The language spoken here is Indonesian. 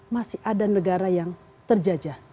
masih ada negara yang terjajah